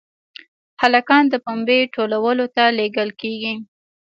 هلکان د پنبې ټولولو ته لېږل کېږي.